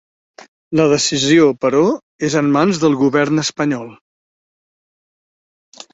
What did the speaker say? La decisió, però, és en mans del govern espanyol.